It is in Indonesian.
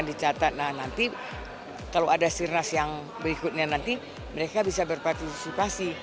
dicatat nah nanti kalau ada sirnas yang berikutnya nanti mereka bisa berpartisipasi